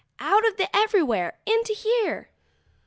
Out of the everywhere into here.